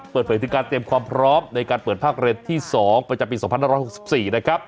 เปิดเผยถึงการเตรียมความพร้อมในการเปิดภาคเรียนที่๒ประจำปี๒๕๖๔นะครับ